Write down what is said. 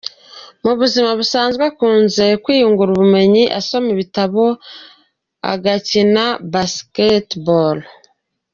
Mu buzima busanzwe akunda kwiyungura ubumenyi asoma ibitabo, agakina basketball.